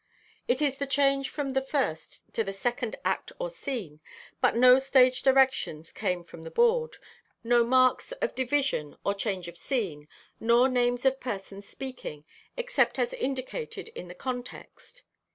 It is the change from the first to the second act or scene, but no stage directions came from the board, no marks of division or change of scene, nor names of persons speaking, except as indicated in the context.